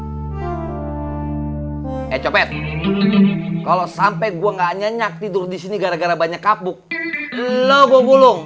ee copet kalau sampai gua nggak nyenyak tidur di sini gara gara banyak kapuk lu gua gulung